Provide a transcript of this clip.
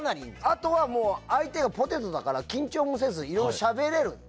あとはもう相手はポテトだから緊張もせずいろいろしゃべれる。